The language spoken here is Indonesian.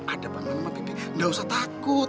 ada paman sama bibi enggak usah takut